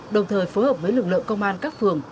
đồng thời phối hợp với lực lượng công an các phường